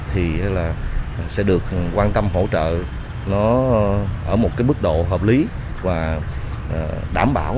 thì sẽ được quan tâm hỗ trợ nó ở một cái mức độ hợp lý và đảm bảo